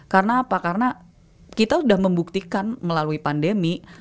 karena apa karena kita udah membuktikan melalui pandemi